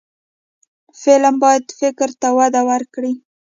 فلم باید فکر ته وده ورکړي